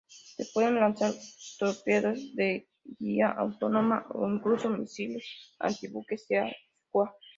Se pueden lanzar torpedos de guía autónoma o incluso misiles antibuque Sea Skua.